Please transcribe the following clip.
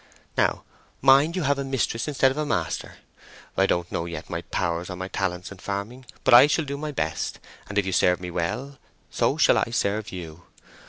"Now mind, you have a mistress instead of a master. I don't yet know my powers or my talents in farming; but I shall do my best, and if you serve me well, so shall I serve you.